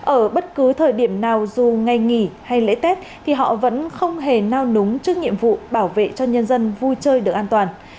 ở bất cứ thời điểm nào dù ngày nghỉ hay lễ tết thì họ vẫn không hề nao núng trước nhiệm vụ bảo vệ cho nhân dân vui chơi được an toàn